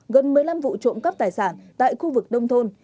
gần một mươi năm vụ trộm cắp tài sản tại khu vực đông thôn